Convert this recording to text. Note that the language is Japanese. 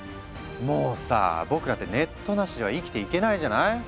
もうさ僕らってネットなしでは生きていけないじゃない？